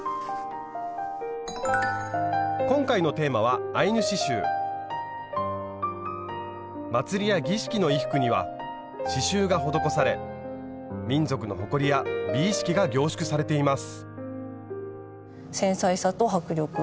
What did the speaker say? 今回のテーマは祭りや儀式の衣服には刺しゅうが施され民族の誇りや美意識が凝縮されています。